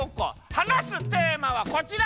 はなすテーマはこちら。